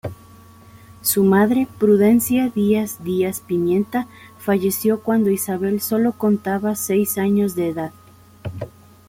Su madre, Prudencia Díaz Díaz-Pimienta, falleció cuando Isabel sólo contaba seis años de edad.